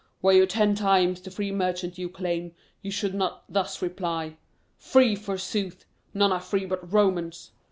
Were you ten times the free merchant you claim, you should not thus reply. Free, forsooth! None are free but Romans."